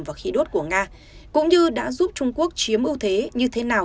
và khí đốt của nga cũng như đã giúp trung quốc chiếm ưu thế như thế nào